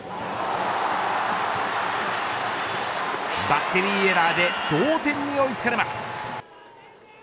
バッテリーエラーで同点に追い付かれます。